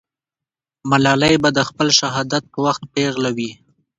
ملالۍ به د خپل شهادت په وخت پېغله وي.